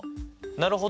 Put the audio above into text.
なるほど。